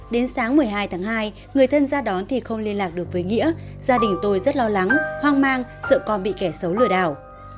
đến sáng một mươi hai tháng hai người thân ra đón thì không liên lạc được với nghĩa gia đình tôi rất lo lắng hoang mang sợ con bị kẻ xấu lừa đảo